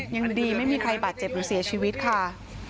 ยังดีไม่มีใครบาดเจ็บหรือเสียชีวิตค่ะ